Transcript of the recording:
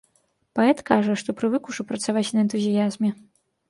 Паэт кажа, што прывык ужо працаваць на энтузіязме.